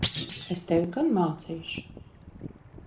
Es tevi gan mācīšu!